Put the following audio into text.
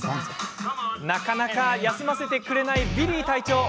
なかなか休ませてくれないビリー隊長。